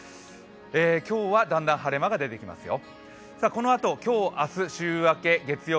今日はだんだん晴れ間が出てきますよ。